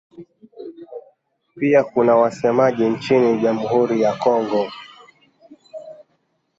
Pia kuna wasemaji nchini Jamhuri ya Kongo.